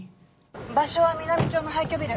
場所は南町の廃虚ビル。